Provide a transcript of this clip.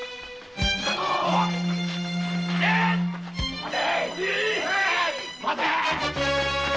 待て！